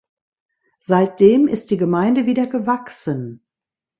Seitdem ist die Gemeinde wieder gewachsen.